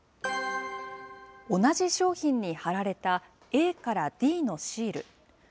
同じ商品に貼られたＡからＤのシール。